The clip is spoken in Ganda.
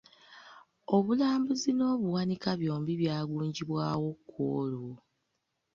Obulamuzi n'Obuwanika byombi byagunjibwawo ku olwo.